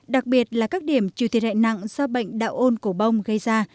đặc biệt là các điểm trừ thiệt hại nặng do bệnh đạo ôn cổ bông gây ra